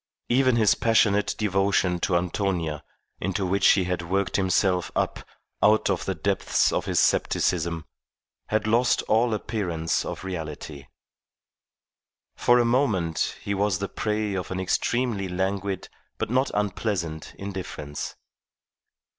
Even his passionate devotion to Antonia into which he had worked himself up out of the depths of his scepticism had lost all appearance of reality. For a moment he was the prey of an extremely languid but not unpleasant indifference.